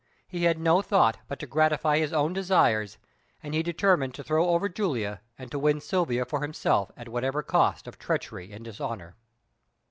He had no thought but to gratify his own desires, and he determined to throw over Julia, and to win Silvia for himself at whatever cost of treachery and dishonour.